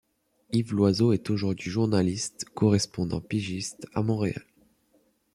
Yves Loiseau est aujourd'hui journaliste correspondant pigiste à Montréal.